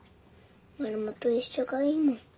マルモと一緒がいいもん。